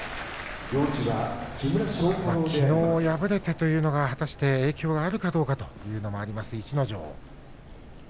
きのう敗れたというのが果たして影響があるかどうかというのもあります、逸ノ城。